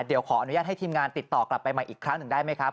เดี๋ยวขออนุญาตให้ทีมงานติดต่อกลับไปใหม่อีกครั้งหนึ่งได้ไหมครับ